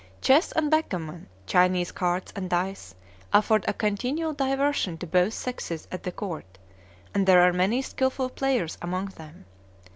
Chess and backgammon, Chinese cards and dice, afford a continual diversion to both sexes at the court, and there are many skilful players among them.